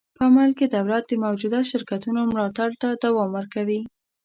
په عمل کې دولت د موجوده شرکتونو ملاتړ ته دوام ورکوي.